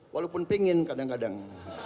walaupun pingin kadang kadang